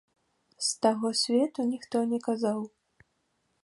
З таго свету ніхто не казаў.